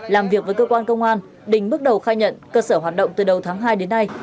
làm việc với cơ quan công an đình bước đầu khai nhận cơ sở hoạt động từ đầu tháng hai đến nay